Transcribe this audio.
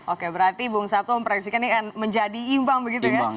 oke berarti bung satu memproyeksikan ini kan menjadi imbang begitu ya